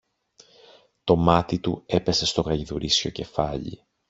Το μάτι του έπεσε στο γαϊδουρίσιο κεφάλι.